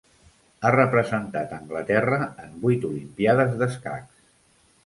Ha representat Anglaterra en vuit Olimpíades d'escacs.